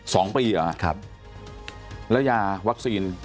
สองปีเหรอครับแล้วยาวัคซีน